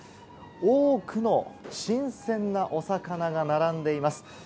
多くの新鮮なお魚が並んでいます。